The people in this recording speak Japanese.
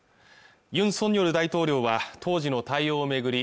ユン・ソンニョル大統領は当時の対応を巡り